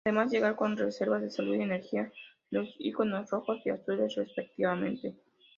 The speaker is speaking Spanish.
Además, llegar con reservas de salud y energía, los íconos rojos y azules respectivamente.